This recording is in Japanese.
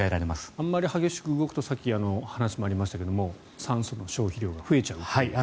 あまり激しく動くとさっき、話もありましたが酸素消費量が増えちゃうという。